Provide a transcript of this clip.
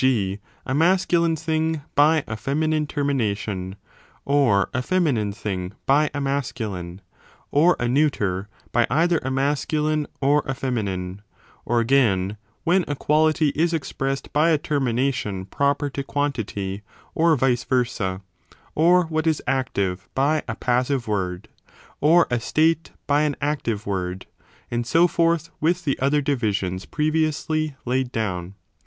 g. a masculine thing by a feminine termination, or a feminine thing by a masculine, or a neuter by either a masculine or a feminine ; or, again, when a quality is expressed by a termination proper to quantity or vice versa, or what is active by a passive word, or a state by an active word, and so forth with the other divisions pre 15 viously 2 laid down.